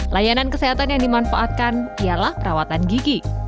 layanan kesehatan yang dimanfaatkan ialah perawatan gigi